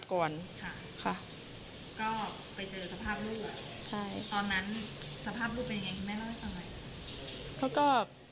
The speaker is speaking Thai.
เขาก็